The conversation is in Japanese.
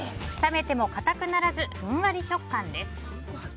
冷めてもかたくならずふんわり食感です。